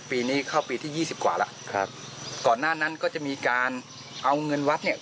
ปีนี้เข้าปีที่ยี่สิบกว่าแล้วครับก่อนหน้านั้นก็จะมีการเอาเงินวัดเนี่ย